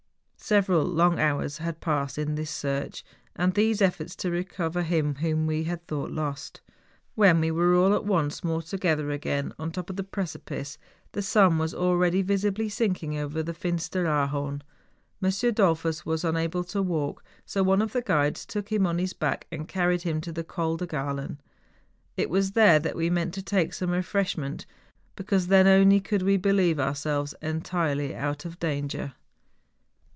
Several long hours had passed in this search, and these efforts to recover him whom we had thou<rht lost. Wien we were all once more to O 96 MOUNTAIN ADVENTURES. gether again on the top of the precipice, the sun was already visibly sinking over the Finsteraarhorn. M. Dollfus was unable to walk, so one of the guides took him on his back and carried him to the Col de Gralen. It was there that we meant to take some refreshment, because then only could we believe ourselves entirely out of danger.